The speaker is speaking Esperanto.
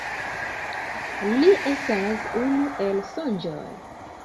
Li estas unu el Sonĝoj.